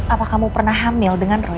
apa kamu pernah hamil dengan royal